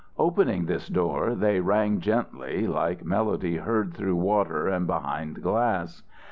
Opening this door, they rang gently, like melody heard through water and behind glass.